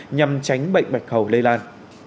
nhằm tránh bệnh bạch hầu lây lan